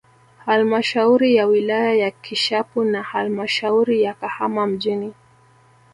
Halmashauri ya wilaya ya Kishapu na halamshauri ya Kahama mjini